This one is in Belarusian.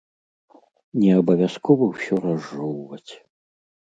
Не абавязкова ўсё разжоўваць.